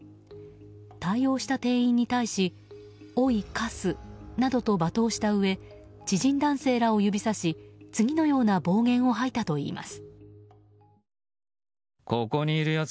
対応した店員に対しおい、カス！などと罵倒したうえ知人男性らを指さし、次のような暴言を吐いたといいます。